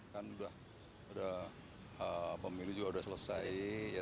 kan sudah pemilu juga sudah selesai